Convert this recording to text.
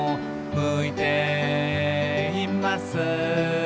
「向いています」